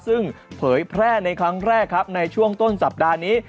ซึ่งเผยแพร่ในครั้งแรกครับในช่วงต้นสัปดาห์นี้